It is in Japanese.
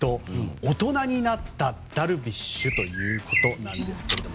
大人になったダルビッシュということなんですけれども。